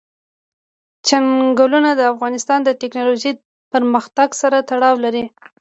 چنګلونه د افغانستان د تکنالوژۍ پرمختګ سره تړاو لري.